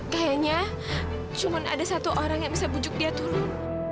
kayaknya cuma ada satu orang yang bisa bujuk dia turun